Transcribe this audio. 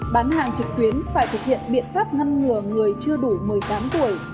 bán hàng trực tuyến phải thực hiện biện pháp ngăn ngừa người chưa đủ một mươi tám tuổi